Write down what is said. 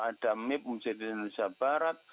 ada mip mujadidin indonesia barat